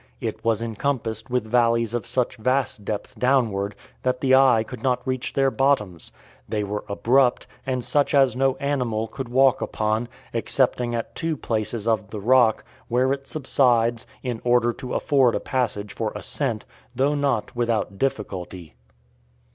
It was encompassed with valleys of such vast depth downward, that the eye could not reach their bottoms; they were abrupt, and such as no animal could walk upon, excepting at two places of the rock, where it subsides, in order to afford a passage for ascent, though not without difficulty.